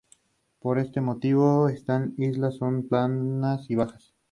Law", "Ghost Whisperer", "Cold Case", "Saving Grace", y "The Cosby Show".